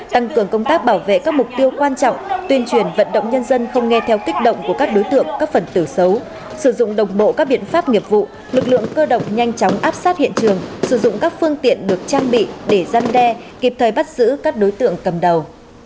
tăng cường công tác bảo vệ các mục tiêu quan trọng tuyên truyền vận động nhân dân không nghe theo kích động của các đối tượng các phần tử xấu sử dụng đồng bộ các biện pháp nghiệp vụ lực lượng cơ động nhanh chóng áp sát hiện trường sử dụng các phương tiện được trang bị để gian đe kịp thời bắt giữ các đối tượng cầm đầu